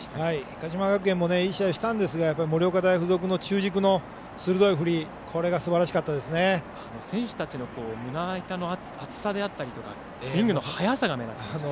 鹿島学園もいい試合をしましたが盛岡大付属の中軸鋭い振り、これが選手たちの胸板の厚さだったりスイングの速さが目立ちました。